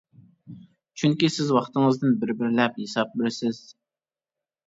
چۈنكى سىز ۋاقتىڭىزدىن بىر-بىرلەپ ھېساب بېرىسىز.